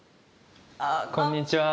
こんにちは。